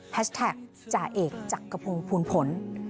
แฮสแท็กจ่าเอกจากกระพงฟูลผล